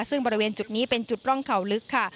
ซึ่งบริเวณจุดนี้เป็นจุดร่องเขาลึกค่ะ